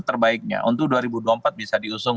terbaiknya untuk dua ribu dua puluh empat bisa diusung